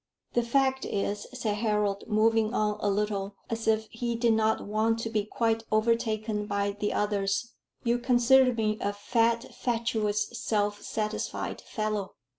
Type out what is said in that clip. "The fact is," said Harold, moving on a little, as if he did not want to be quite overtaken by the others, "you consider me a fat, fatuous, self satisfied fellow."